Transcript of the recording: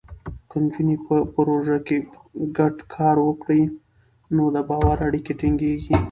که نجونې په پروژو کې ګډ کار وکړي، نو د باور اړیکې ټینګېږي.